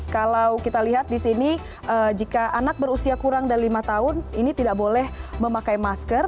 kalau kita lihat di sini jika anak berusia kurang dari lima tahun ini tidak boleh memakai masker